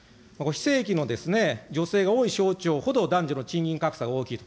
非正規の女性が多い省庁ほど、男女の賃金格差が大きいと。